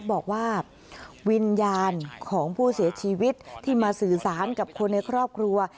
บอกว่าวิญญาณของผู้เสียชีวิตที่มาสื่อสารกับคนในครอบครัว